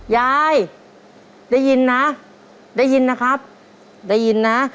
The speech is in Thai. ยายได้ยินนะได้ยินนะครับได้ยินนะ